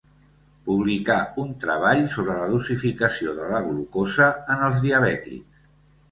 Publicà un treball sobre la dosificació de la glucosa en els diabètics.